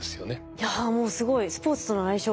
いやもうすごい。